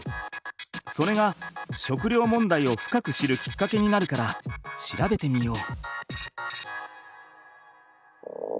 それが食料もんだいを深く知るきっかけになるから調べてみよう。